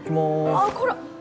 あっこら！